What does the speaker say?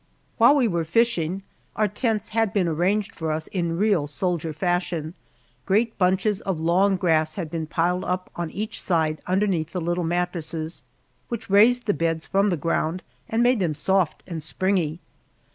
While we were fishing, our tents had been arranged for us in real soldier fashion. Great bunches of long grass had been piled up on each side underneath the little mattresses, which raised the beds from the ground and made them soft and springy.